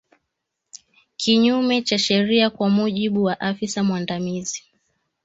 kinyume cha sheria kwa mujibu wa afisa mwandamizi